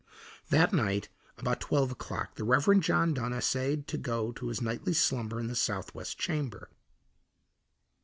That night about twelve o'clock the Reverend John Dunn essayed to go to his nightly slumber in the southwest chamber.